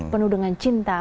penuh dengan cinta